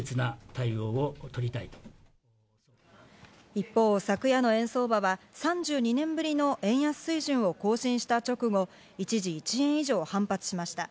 一方、昨夜の円相場は３２年ぶりの円安水準を更新した直後、一時１円以上反発しました。